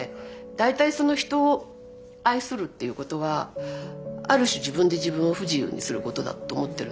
大体人を愛するっていうことはある種自分で自分を不自由にすることだと思ってるんですよね。